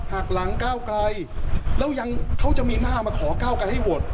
หากหลังก้าวไกลแล้วยังเขาจะมีท่ามาขอก้าวไกลให้โหวต